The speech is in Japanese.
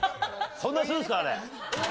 そんなにするんですか、あれ。